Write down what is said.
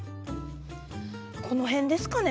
この辺ですかね？